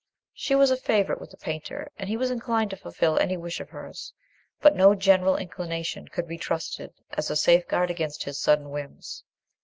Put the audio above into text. She was a favourite with the painter, and he was inclined to fulfil any wish of hers, but no general inclination could be trusted as a safeguard against his sudden whims.